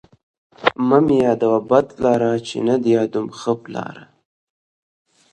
ـ مه مې يادوه بد پلار، چې نه دې يادوم ښه پلار.